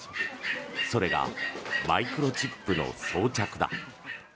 それがマイクロチップの装着だ。